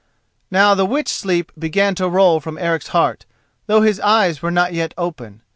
Now the witch sleep began to roll from Eric's heart, though his eyes were not yet open.